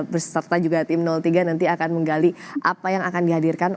berserta juga tim tiga nanti akan menggali apa yang akan dihadirkan